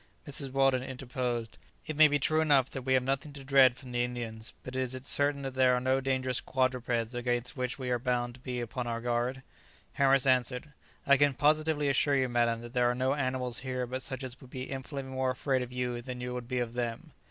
Mrs. Weldon interposed, "It may be true enough that we have nothing to dread from the Indians, but is it certain that there are no dangerous quadrupeds against which we are bound to be upon our guard?" Harris answered, "I can positively assure you, madam, that there are no animals here but such as would be infinitely more afraid of you than you would be of them."